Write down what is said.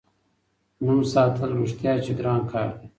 نوم ساتل رښتیا چې ګران کار دی.